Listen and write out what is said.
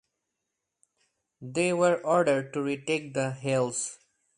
They were ordered to retake the hills.